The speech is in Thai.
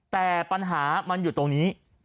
แต่ปัญหามันอยู่ตรงนี้